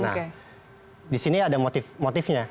nah di sini ada motif motifnya